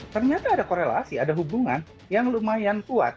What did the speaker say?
ternyata ada korelasi ada hubungan yang lumayan kuat